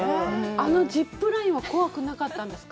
あのジップラインは怖くなかったんですか？